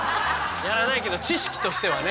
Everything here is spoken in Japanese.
やらないけど知識としてはね。